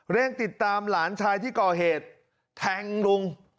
เร่งติดตามหลานชายที่ก่อเหตุแทงลุง